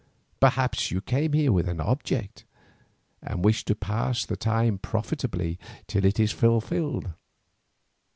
Perhaps you came here with an object, and wish to pass the time profitably till it is fulfilled.